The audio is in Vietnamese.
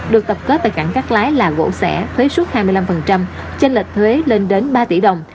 được tập kết tại cảng cát lái là gỗ xẻ thuế suất hai mươi năm chênh lệch thuế lên đến ba tỷ đồng